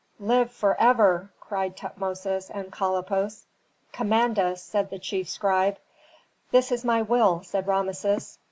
"Live forever!" cried Tutmosis and Kalippos. "Command us," said the chief scribe. "This is my will," said Rameses.